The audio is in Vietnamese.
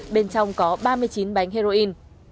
bên trong có ba mươi chín bánh heroin